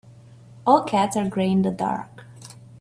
All cats are grey in the dark.